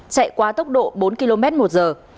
chạy qua tốc độ bốn km một giờ